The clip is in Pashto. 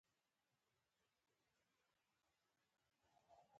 • شتمني د مال نه، بلکې د عقل سره ارزښت لري.